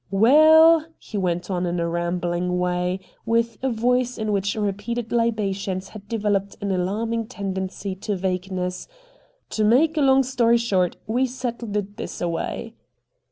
'Waal,' he went on in a rambling way, vrith a voice in which repeated libations had A STRANGE STORY 67 developed an alarming tendency to vagueness, ' to make a long story short, we settled it this away.'